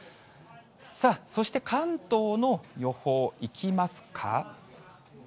さあ、そして関東の予報いきますか。